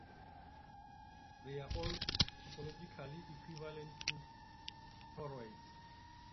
They are all topologically equivalent to toroids.